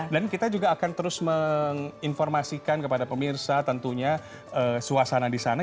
dan kita juga akan terus menginformasikan kepada pemirsa tentunya suasana disana